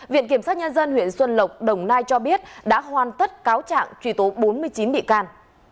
viện kiểm sát nhân dân huyện xuân lộc đồng nai cho biết đã hoàn tất cáo trạng truy tố bốn mươi chín bị can